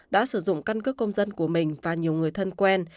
đã sử dụng căn cước công dân của mình và nhiều người thân quen